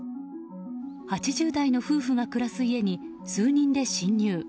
８０代の夫婦が暮らす家に数人で侵入。